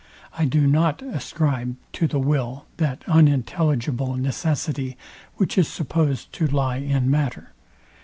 I do not ascribe to the will that unintelligible necessity, which is supposed to lie in matter.